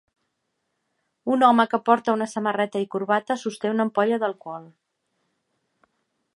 Un home que porta una samarreta i corbata sosté una ampolla d'alcohol.